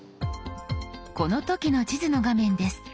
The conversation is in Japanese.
この時の地図の画面です。